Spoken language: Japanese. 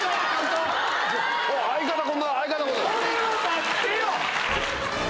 これは待ってよ！